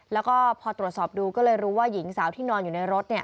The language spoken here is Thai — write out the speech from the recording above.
แล้วก็พอตรวจสอบดูก็เลยรู้ว่าหญิงสาวที่นอนอยู่ในรถ